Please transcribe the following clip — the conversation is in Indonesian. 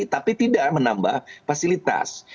tapi tidak menambah fasilitas